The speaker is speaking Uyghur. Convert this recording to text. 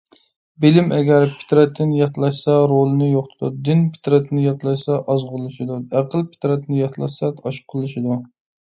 بىلىم ئەگەر پىترەتتىن ياتلاشسا رولىنى يوقىتىدۇ. دىن پىترەتتىن ياتلاشسا ئازغۇنلىشىدۇ. ئەقىل پىترەتتىن ياتلاشسا ئاشقۇنلىشىدۇ.